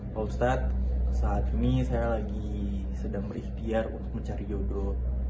pak ustadz saat ini saya lagi sedang berikhtiar untuk mencari yodo